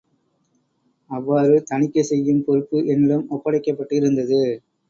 அவ்வாறு தணிக்கை செய்யும் பொறுப்பு என்னிடம் ஒப்படைக்கப்பட்டிருந்தது.